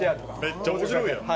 めっちゃ面白いやん。